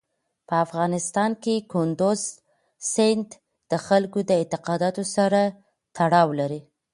په افغانستان کې کندز سیند د خلکو د اعتقاداتو سره تړاو لري.